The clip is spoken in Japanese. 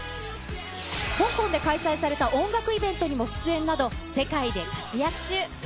香港で開催された音楽イベントにも出演など、世界で活躍中。